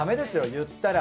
いったら。